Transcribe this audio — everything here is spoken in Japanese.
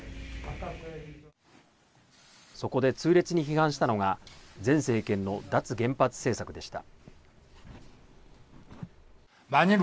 そこで痛烈に批判したのが前政権の脱原発政策でした。